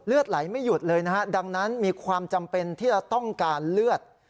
ไหลไม่หยุดเลยนะฮะดังนั้นมีความจำเป็นที่จะต้องการเลือด